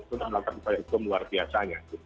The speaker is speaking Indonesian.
itu melangkah kepada hukum luar biasanya